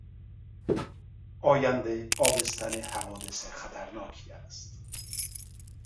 آینده آبستن حوادث خطرناکی است.